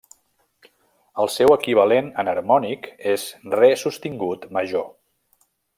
El seu equivalent enharmònic és re sostingut major.